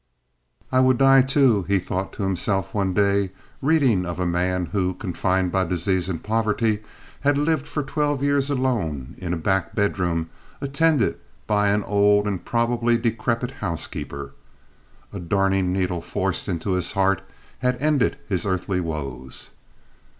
"I would die, too," he thought to himself, one day, reading of a man who, confined by disease and poverty, had lived for twelve years alone in a back bedroom attended by an old and probably decrepit housekeeper. A darning needle forced into his heart had ended his earthly woes.